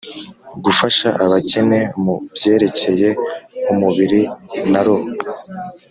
Gufasha abakene mu byerekeye umubiri na roho